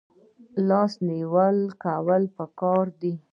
لاس نیوی کول پکار دي